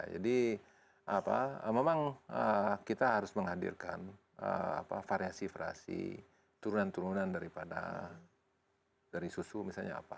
memang kita harus menghadirkan variasi variasi turunan turunan daripada dari susu misalnya apa